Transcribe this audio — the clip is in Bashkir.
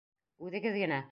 Үҙегеҙ генә.